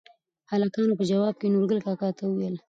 هلکانو په ځواب کې نورګل کاکا ته ووېل: